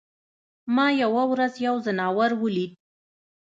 ما یوه ورځ یو ځناور ولید.